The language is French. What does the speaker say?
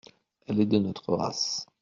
Elle est de notre race.